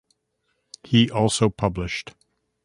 He also published.